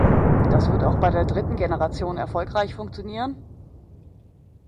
Das wird auch bei der dritten Generation erfolgreich funktionieren.